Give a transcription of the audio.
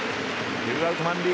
ツーアウト満塁。